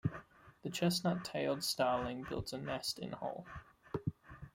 The chestnut-tailed starling builds a nest in hole.